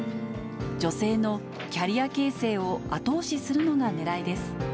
女性のキャリア形成を後押しするのがねらいです。